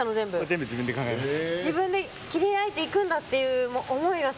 全部自分で考えました。